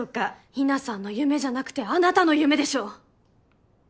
日奈さんの夢じゃなくてあなたの夢でしょう。